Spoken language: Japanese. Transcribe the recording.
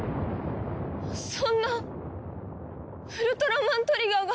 そんなウルトラマントリガーが。